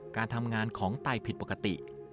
การทำงานของไตผิดปกติ